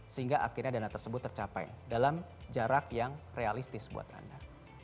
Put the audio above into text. sehingga akhirnya dana tersebut tercapai dalam jarak yang realistis buat anda